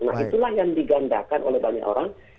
nah itulah yang digandakan oleh banyak orang